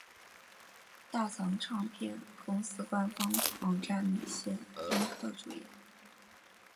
大藏唱片公司官方网站米线音客主页